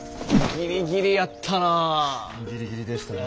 ギリギリでしたね。